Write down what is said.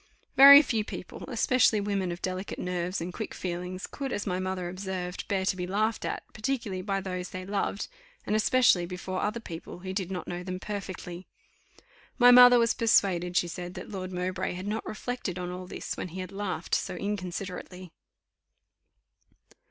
Very few people, especially women of delicate nerves and quick feelings, could, as my mother observed, bear to be laughed at; particularly by those they loved; and especially before other people who did not know them perfectly. My mother was persuaded, she said, that Lord Mowbray had not reflected on all this when he had laughed so inconsiderately.